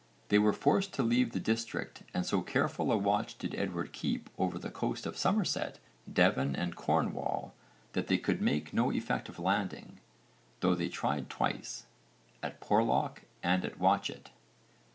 They were forced to leave the district and so careful a watch did Edward keep over the coast of Somerset, Devon and Cornwall that they could make no effective landing, though they tried twice, at Porlock and at Watchet.